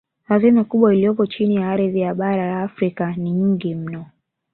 Hazina kubwa iliyopo chini ya ardhi ya bara la Afrika ni nyingi mno